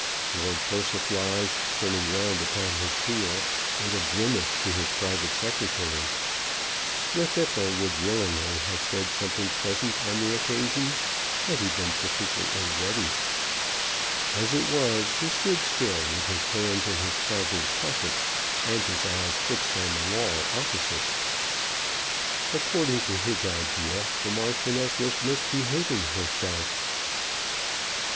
Lord Persiflage, turning round upon his heel, made a grimace to his Private Secretary. Llwddythlw would willingly have said something pleasant on the occasion had he been sufficiently ready. As it was he stood still, with his hands in his trousers pockets and his eyes fixed on the wall opposite. According to his idea the Marchioness was misbehaving herself.